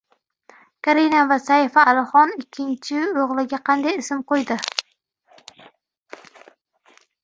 Karina va Saif Ali Xon ikkinchi o‘g‘liga qanday ism qo‘ydi?